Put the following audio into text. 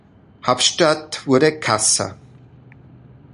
Hauptstadt wurde Kassa.